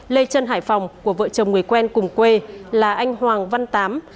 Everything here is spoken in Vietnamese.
lê trân hải phòng của vợ chồng người quen cùng quê là anh hoàng văn tám